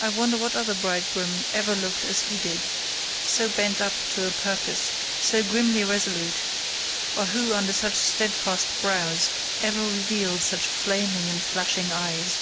I wonder what other bridegroom ever looked as he did—so bent up to a purpose, so grimly resolute: or who, under such steadfast brows, ever revealed such flaming and flashing eyes.